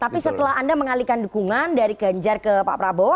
tapi setelah anda mengalihkan dukungan dari ganjar ke pak prabowo